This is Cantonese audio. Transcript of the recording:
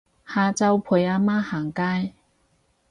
下晝陪阿媽行街